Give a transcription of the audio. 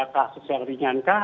kasus yang ringankah